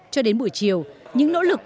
cho đến buổi chiều những nỗ lực